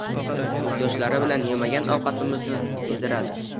Ko'zyoshlari bilan yemagan ovqatimizni yednradi.